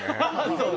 そうね。